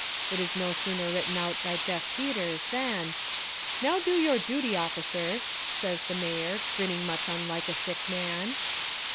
It is no sooner written out by Jeff Peters, than: " 'Now do your duty, officer,' says the Mayor, grinning much unlike a sick man.